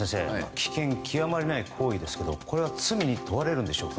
危険極まりない行為ですがこれは罪に問われるんでしょうか。